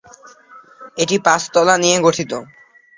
এটি পাঁচটি তলা নিয়ে গঠিত।